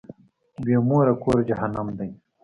بی موره کور جهنم دی.